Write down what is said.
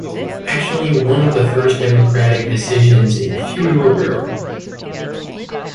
Actually one of the first democratic decisions in feudal Europe.